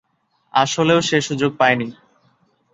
আসলেও সে সুযোগ পায়নি।